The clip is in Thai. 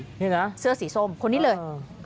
เสื้อสีส้มคนนี้เลย